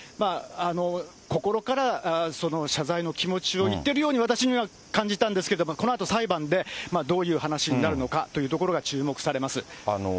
そして心から謝罪の気持ちを言っているように、私には感じたんですけど、このあと裁判で、どういう話になるのかというところが注目されます。